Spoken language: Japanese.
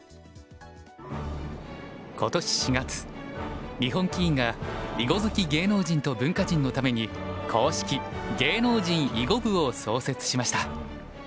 今年４月日本棋院が囲碁好き芸能人と文化人のために公式芸能人囲碁部を創設しました。